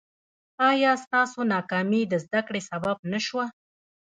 ایا ستاسو ناکامي د زده کړې سبب نه شوه؟